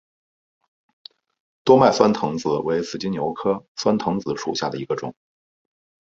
多脉酸藤子为紫金牛科酸藤子属下的一个种。